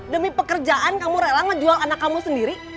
demi pekerjaan kamu rela ngejual anak kamu sendiri